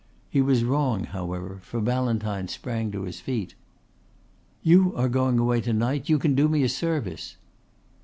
He was wrong however, for Ballantyne sprang to his feet. "You are going away to night. You can do me a service."